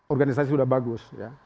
organisasi sudah bagus ya